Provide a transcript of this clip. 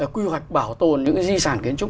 quy hoạch bảo tồn những di sản kiến trúc